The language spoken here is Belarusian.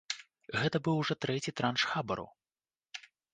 Гэта быў ужо трэці транш хабару.